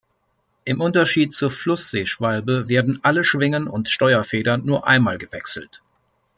Im Unterschied zur Flussseeschwalbe werden alle Schwingen und Steuerfedern nur einmal gewechselt.